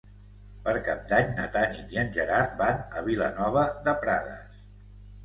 Per Cap d'Any na Tanit i en Gerard van a Vilanova de Prades.